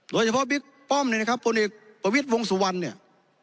โดยเฉพาะบิ๊กป้อมเนี่ยนะครับโพนีประวิทย์วงสุวรรณเนี่ย